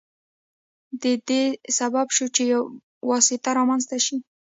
د دې سبب شو چې یو واسطه رامنځته شي.